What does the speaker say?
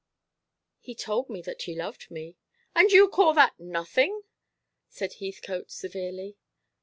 "He told me that he loved me." "And you call that nothing!" said Heathcote severely.